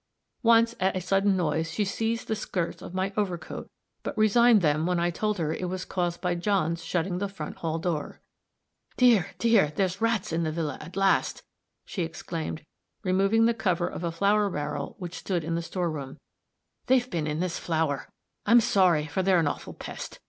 Once, at a sudden noise, she seized the skirts of my overcoat, but resigned them when I told her it was caused by John's shutting the front hall door. "Dear! dear! there's rats in the villa, at last!" she exclaimed, removing the cover of a flour barrel which stood in the store room. "They've been in this flour! I'm sorry, for they're an awful pest.